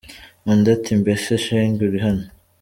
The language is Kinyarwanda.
Undi, ati “Mbese shenge uri hano?”.